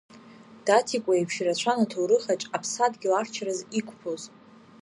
Даҭикәа еиԥш ирацәан аҭоурыхаҿ аԥсадгьыл ахьчараз иқәԥоз.